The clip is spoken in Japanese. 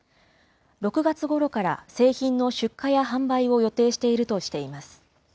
６月ごろから製品の出荷や販売を予定しているとしています。